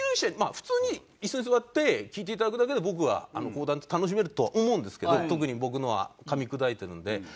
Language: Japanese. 普通に椅子に座って聴いていただくだけで僕は講談って楽しめるとは思うんですけど特に僕のはかみ砕いてるんで。